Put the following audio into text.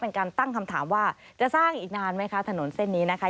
เป็นการตั้งคำถามว่าจะสร้างอีกนานไหมคะถนนเส้นนี้นะคะ